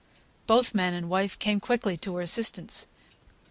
Both man and wife came quickly to her assistance.